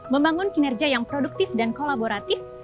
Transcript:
membangun kinerja yang produktif dan kolaboratif